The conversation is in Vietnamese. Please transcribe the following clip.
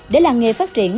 để làng nghề phát triển